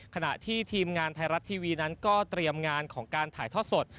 ขณะที่ทีมงานไทยรัฐทีวีนั้นก็เตรียมงานของการถ่ายทอดสด